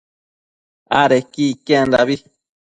adequi iquendabi